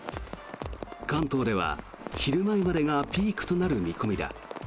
関東では昼前までがピークとなる見込みだ。